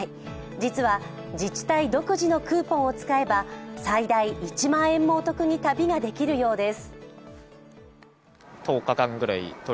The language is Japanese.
実は自治体独自のクーポンを使えば最大１万円もお得に旅ができるようです。